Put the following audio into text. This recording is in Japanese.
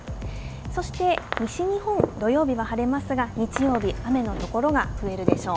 そして西日本、土曜日は晴れますが、日曜日、雨の所が増えるでしょう。